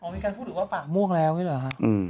อ๋อมีการพูดถึงว่าปากม่วงแล้วนี่หรอฮะ